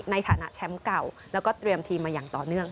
ในฐานะแชมป์เก่าแล้วก็เตรียมทีมมาอย่างต่อเนื่อง